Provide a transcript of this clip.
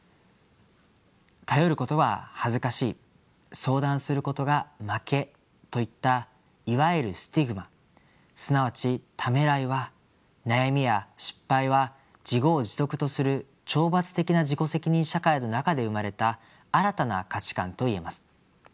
頼ることは恥ずかしい相談することが負けといったいわゆるスティグマすなわちためらいは悩みや失敗は自業自得とする懲罰的な自己責任社会の中で生まれた新たな価値観と言えます。